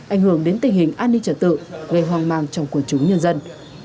ảnh hưởng đến tình hình an ninh trật tự gây hoang mang trong quần chúng nhân dân